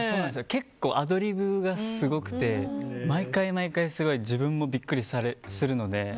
結構アドリブがすごくて毎回毎回自分もビックリするので。